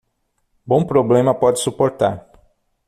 Bom problema pode suportar